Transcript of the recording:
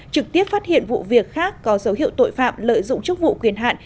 trực tiếp phát hiện vụ việc khác có dấu hiệu tội phạm lợi dụng chức vụ quyền hạn